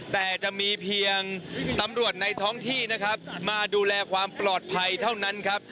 แต่จะมีเพียงตำรวจในท้องที่นะครับมาดูแลความปลอดภัยเท่านั้นครับ